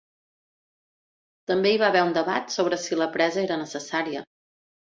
També hi va haver un debat sobre si la presa era necessària.